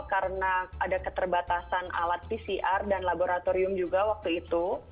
karena ada keterbatasan alat pcr dan laboratorium juga waktu itu